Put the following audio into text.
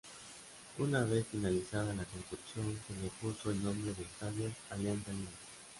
Una vez finalizada la construcción, se le puso el nombre de Estadio Alianza Lima.